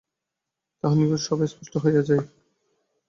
তাঁহার নিকট সবই স্পষ্ট হইয়া যায়।